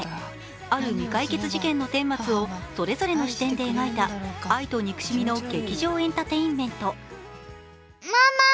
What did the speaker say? ある未解決事件のてんまつをそれぞれの視点で描いた愛と憎しみの激情エンタテインメント。